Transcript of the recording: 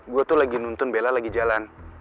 gue tuh lagi nuntun bella lagi jalan